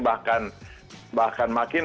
bahkan makin memaksulkan